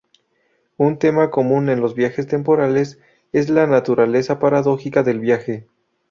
Un tema común en los viajes temporales es la naturaleza paradójica del viaje.